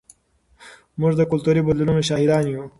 موږ د کلتوري بدلونونو شاهدان یو.